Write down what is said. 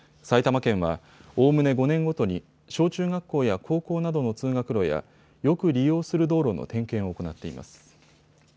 埼玉県は、おおむね５年ごとに小中学校や高校などの通学路やよく利用する道路の点検を行っています。